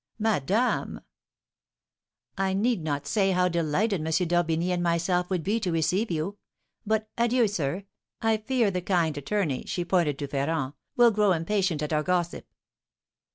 "Madame!" "I need not say how delighted M. d'Orbigny and myself would be to receive you; but adieu, sir, I fear the kind attorney (she pointed to Ferrand) will grow impatient at our gossip."